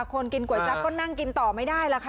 คนกินก๋วยจั๊บก็นั่งกินต่อไม่ได้ล่ะค่ะ